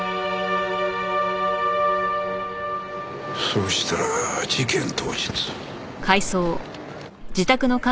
そうしたら事件当日。